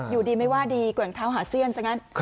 อยู่ดีไม่ว่าดีแกว่งเท้าหาเสี้ยนซะงั้น